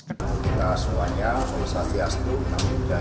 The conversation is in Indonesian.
kita semuanya polisiasi aset kita berdaya selamat berkajikan